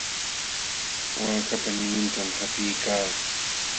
Waakapa ñuñuntam qapiykaa.